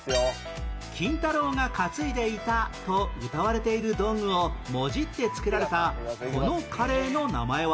金太郎が担いでいたとうたわれている道具をもじって作られたこのカレーの名前は？